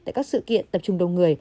tại các sự kiện tập trung đông người